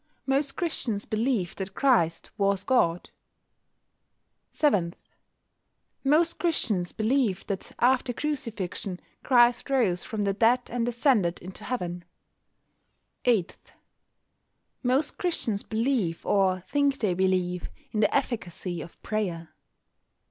Most Christians believe that Christ was God. 7. Most Christians believe that after crucifixion Christ rose from the dead and ascended into Heaven. 8. Most Christians believe, or think they believe, in the efficacy of prayer.